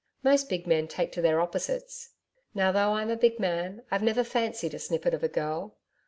Most big men take to their opposites. Now, though I'm a big man I've never fancied a snippet of a girl.